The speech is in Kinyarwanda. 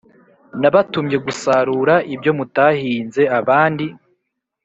Nabatumye gusarura ibyo mutahinze abandi